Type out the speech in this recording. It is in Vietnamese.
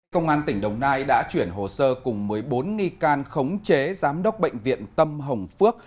công an tỉnh đồng nai đã chuyển hồ sơ cùng một mươi bốn nghi can khống chế giám đốc bệnh viện tâm hồng phước